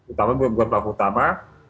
utama bukan pelaku utama